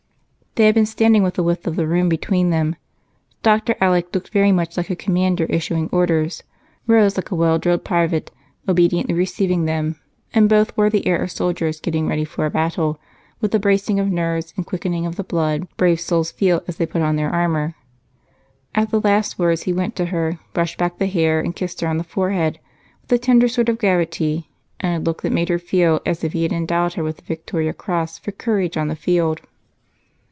They had been standing with the width of the room between them, Dr. Alec looking very much like a commander issuing orders, Rose like a well drilled private obediently receiving them, and both wore the air of soldiers getting ready for a battle, with the bracing of nerves and quickening of the blood brave souls feel as they put on their armor. At the last words he went to her, brushed back the hair, and kissed her on the forehead with a tender sort of gravity and a look that made her feel as if he had endowed her with the Victoria Cross for courage on the field.